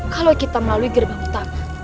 kalau kita melalui gerbang utama